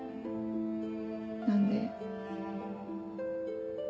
何で？